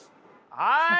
はい！